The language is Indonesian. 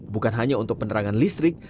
bukan hanya untuk penerangan listrik